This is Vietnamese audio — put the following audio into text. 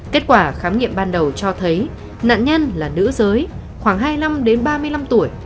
kết quả khám nghiệm ban đầu cho thấy nạn nhân là nữ giới khoảng hai mươi năm đến ba mươi năm tuổi